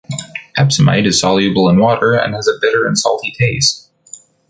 Epsomite is soluble in water and has a bitter and salty taste.